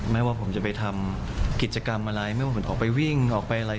ไม่ว่าผมจะไปทำกิจกรรมอะไรไม่ว่าผมออกไปวิ่งออกไปอะไร